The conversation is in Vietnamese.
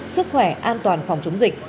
sức khỏe an toàn phòng chống dịch